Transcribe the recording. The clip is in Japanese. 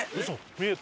見えた？